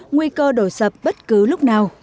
nguy cơ đổi sập bất cứ lúc nào